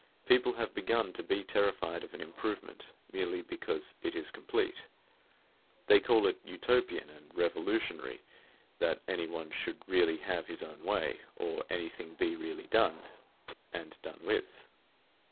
People have begun to be terrified of an improvement merely because it is complete. They call it utopian and revolutionary that anyone should really have his own way, or anything be really done, and done with.